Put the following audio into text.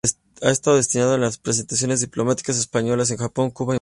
Ha estado destinado en las representaciones diplomáticas españolas en Japón, Cuba y Marruecos.